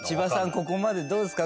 ここまでどうですか？